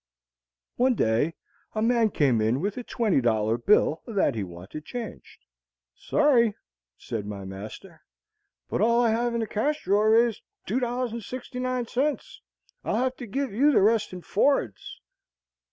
One day a man came in with a twenty dollar bill that he wanted changed. "Sorry," said my master, "but all I have in my cash drawer is $2.69. I'll have to give you the rest in fords."